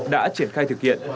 đã triển khai thực hiện